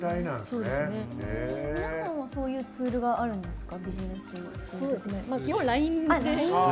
皆さん、そういうツールがあるんですか？